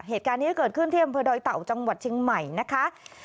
เหตุการณ์นี้เกิดขึ้นเที่ยงเมือได่ต่าจังหวัดเชียงไหมนะคะ